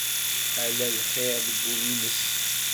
Ala lxir deg wul-ines.